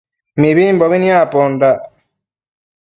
Mibimbobi nicpondac